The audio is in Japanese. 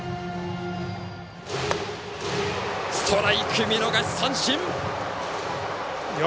ストライク、見逃し三振。